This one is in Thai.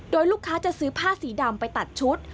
โดยลูกค้าจะซื้อผ้าสีดำไปตัดชุด